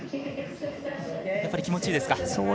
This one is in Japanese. やっぱり気持ちいいですか。